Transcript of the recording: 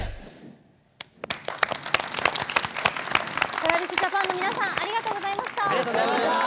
ＴｒａｖｉｓＪａｐａｎ の皆さんありがとうございました。